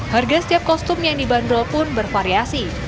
harga setiap kostum yang dibanderol pun bervariasi